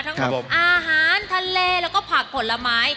อาหารทะเลแล้วก็ผักผลไม้